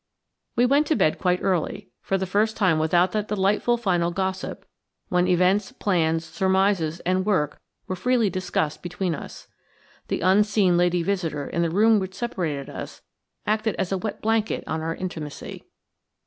We went to bed quite early; for the first time without that delightful final gossip, when events, plans, surmises and work were freely discussed between us. The unseen lady visitor in the room which separated us acted as a wet blanket on our intimacy.